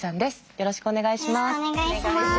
よろしくお願いします。